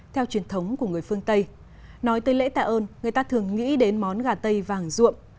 theo truyền thống của người phương tây nói tới lễ tạ ơn người ta thường nghĩ đến món gà tây vàng ruộm